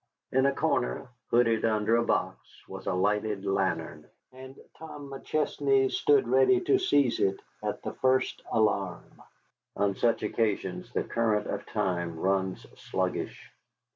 In a corner, hooded under a box, was a lighted lantern, and Tom McChesney stood ready to seize it at the first alarm. On such occasions the current of time runs sluggish.